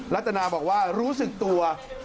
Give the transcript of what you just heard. ัตนาบอกว่ารู้สึกตัว